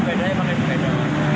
ada sepeda yang pakai sepeda